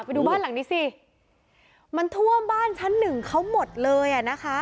ไปดูบ้านหลังนี้สิมันท่วมบ้านชั้นหนึ่งเขาหมดเลยอ่ะนะคะ